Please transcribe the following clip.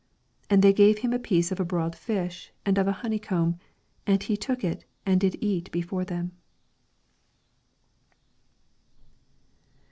42 And they gave him a piece of a broiled fish, ana of an honeycomb. 43 And he took i^, and did eat be fore them.